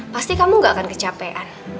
pasti kamu gak akan kecapean